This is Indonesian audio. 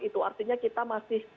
jadi itu artinya kita masih